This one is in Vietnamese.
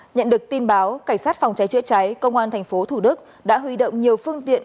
nhận được tin báo cảnh sát phòng cháy chữa cháy công an tp thủ đức đã huy động nhiều phương tiện